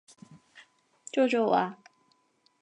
救救我啊！